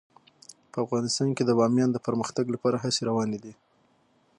په افغانستان کې د بامیان د پرمختګ لپاره هڅې روانې دي.